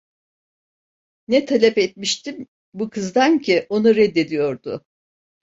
Ne talep etmiştim bu kızdan ki onu reddediyordu?